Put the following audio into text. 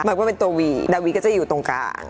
เมื่อว่าเป็นตัววีดาวิทย์ก็จะอยู่ตรงกลาง